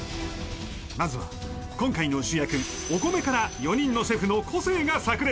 まずは今回の主役・お米から４人のシェフの個性が炸裂